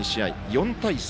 ４対３。